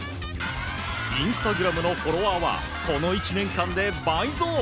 インスタグラムのフォロワーはこの１年間で倍増！